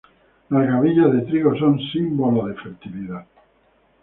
Las gavillas de trigo son símbolo de la fertilidad.